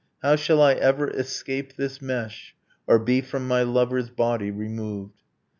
How shall I ever escape this mesh Or be from my lover's body removed?'